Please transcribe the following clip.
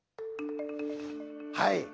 はい。